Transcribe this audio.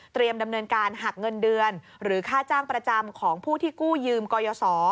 ดำเนินการหักเงินเดือนหรือค่าจ้างประจำของผู้ที่กู้ยืมกรยศ